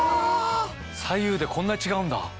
左右でこんな違うんだ。